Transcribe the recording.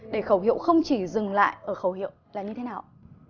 để khẩu hiệu không chỉ dừng lại ở khẩu hiệu là như thế nào